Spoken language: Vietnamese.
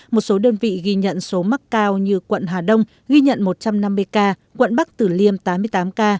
một số đơn vị ghi nhận số mắc cao như quận hà đông ghi nhận một trăm năm mươi ca quận bắc tử liêm tám mươi tám ca